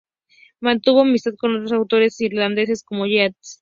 Mantuvo amistad con otros autores irlandeses, como Yeats.